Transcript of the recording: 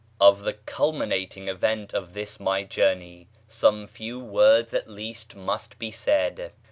Of the culminating event of this my journey some few words at least must be said.